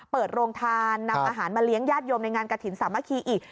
เปิดโรงทานนำอาหารมาเลี้ยงญาติโยมในงานกระถิ่นสามัคคีอีก